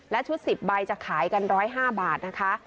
และชุด๑๐ใบจะขายกัน๑๐๕บาทนะคะ